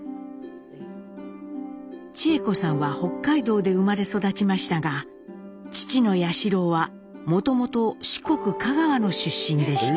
智枝子さんは北海道で生まれ育ちましたが父の彌四郎はもともと四国香川の出身でした。